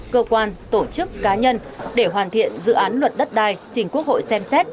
cơ quan tổ chức cá nhân để hoàn thiện dự án luật đất đai chính quốc hội xem xét